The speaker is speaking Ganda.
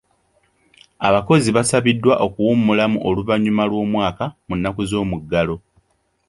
Abakozi baasabiddwa okuwummulamu oluvannyuma lw'omwaka mu nnaku z'omuggalo.